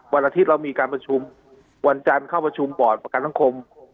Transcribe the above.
วันอาทิตย์เรามีการประชุมวันจันทร์เข้าประชุมบอร์ดประกันสังคม